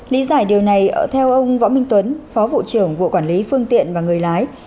lý giải điều này theo ông võ minh tuấn phó vụ trưởng vụ quản lý phương tiện và người lái